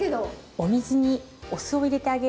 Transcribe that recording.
お水にお酢を入れてあげると。